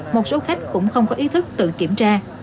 một số khách cũng không có ý thức tự kiểm tra